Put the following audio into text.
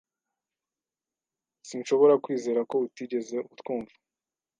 Sinshobora kwizera ko utigeze utwumva.